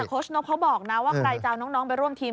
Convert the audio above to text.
ชนกเขาบอกนะว่าใครจะเอาน้องไปร่วมทีม